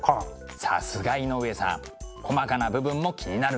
さすが井上さん細かな部分も気になるんですね。